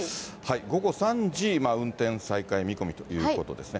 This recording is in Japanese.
午後３時、運転再開見込みということですね。